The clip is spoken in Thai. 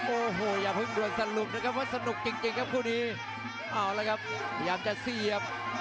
เอาแล้วครับพยายามจะเสียบ